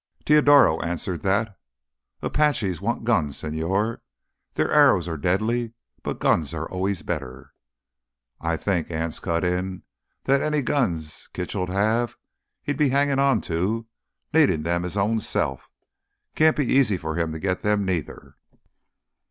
Teodoro answered that. "Apaches want guns, señor. Their arrows are deadly, but guns are always better." "I'd think," Anse cut in, "that any guns Kitchell'd have he'd be hangin' on to—needin' them his ownself. Can't be easy for him to git them, neither."